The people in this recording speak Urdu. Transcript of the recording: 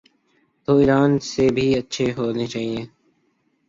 تو ایران سے بھی اچھے ہونے چائیں۔